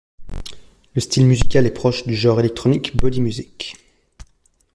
Le style musical est proche du genre electronic body music.